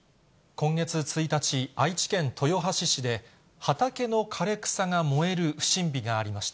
今月１日、愛知県豊橋市で、畑の枯れ草が燃える不審火がありました。